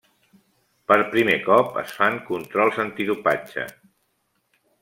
Per primer cop es fan controls antidopatge.